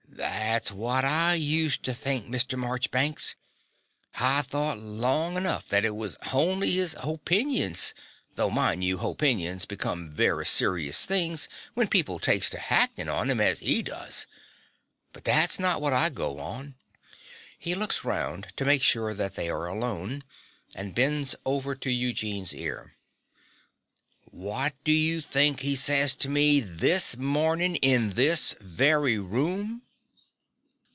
That's wot I used tee think, Mr. Morchbanks. Hi thought long enough that it was honly 'is hopinions; though, mind you, hopinions becomes vurry serious things when people takes to hactin on 'em as 'e does. But that's not wot I go on. (He looks round to make sure that they are alone, and bends over to Eugene's ear.) Wot do you think he says to me this mornin' in this very room?